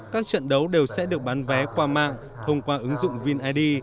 các trận đấu đều sẽ được bán vé qua mạng thông qua ứng dụng vin id